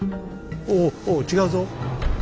おおっおお違うぞ。